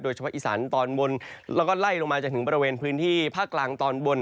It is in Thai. เฉพาะอีสานตอนบนแล้วก็ไล่ลงมาจนถึงบริเวณพื้นที่ภาคกลางตอนบน